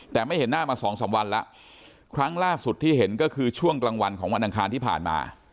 แต่ไม่เห็นหน้ามาสองสามวันแล้วครั้งล่าสุดที่เห็นก็คือช่วงกลางวันของวันอังคารที่ผ่านมา